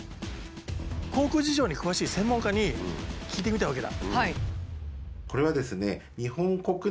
航空事情に詳しい専門家に聞いてみたわけだ。